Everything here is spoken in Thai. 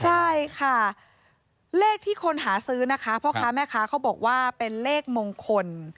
ใช่ค่ะเลขที่คนหาซื้อนะคะพ่อค้าแม่ค้าเขาบอกว่าเป็นเลขมงคล